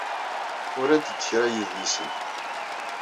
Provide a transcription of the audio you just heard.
Urant-d kraḍ yedlisen.